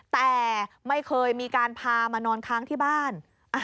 แต่ไม่เคยมีการพามานอนค้างที่บ้าน